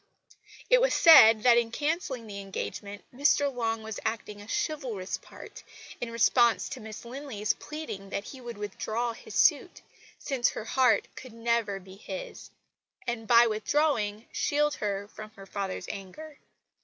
It was said that, in cancelling the engagement, Mr Long was acting a chivalrous part, in response to Miss Linley's pleading that he would withdraw his suit, since her heart could never be his, and by withdrawing shield her from her father's anger.